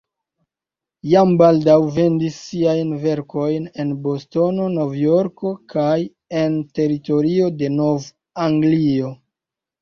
Jam baldaŭ vendis siajn verkojn en Bostono, Nov-Jorko kaj en teritorio de Nov-Anglio.